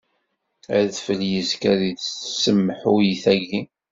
Adfel yezga di tsemhuyt-agi.